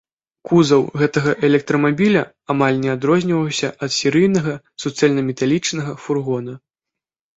Кузаў гэтага электрамабіля амаль не адрозніваўся ад серыйнага суцэльнаметалічнага фургона.